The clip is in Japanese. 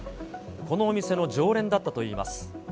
このお店の常連だったといいます。